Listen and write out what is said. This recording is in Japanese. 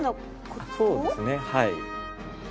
そうですねはい。